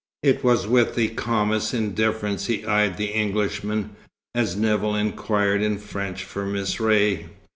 It was with the calmest indifference he eyed the Englishmen, as Nevill inquired in French for Miss Ray.